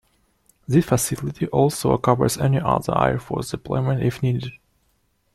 This facility also covers any other Air Force deployment if needed.